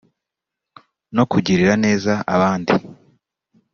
no kugirira neza abandi